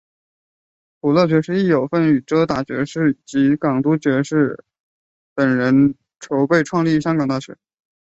普乐爵士亦有份与遮打爵士及港督卢嘉爵士等人筹备创立香港大学。